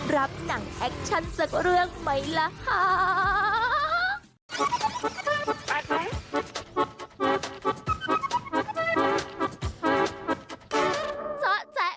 รับหนังแอคชั่นสักเรื่องไหมล่ะคะ